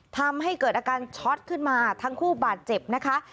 ทำให้เกิดอาการช็อตขึ้นมาทั้งคู่บาดเจ็บนะคะ